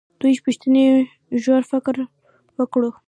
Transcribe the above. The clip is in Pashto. دوې پوښتنې ژور فکر وکړو.